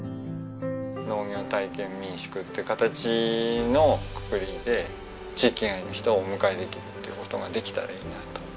農業体験民宿って形のくくりで地域外の人をお迎えできるっていう事ができたらいいなと。